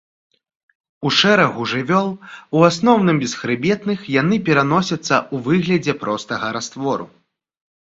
У шэрагу жывёл, у асноўным, бесхрыбетных, яны пераносяцца ў выглядзе простага раствору.